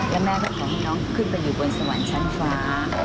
แล้วแม่ก็ขอให้น้องขึ้นไปอยู่บนสวรรค์ชั้นฟ้า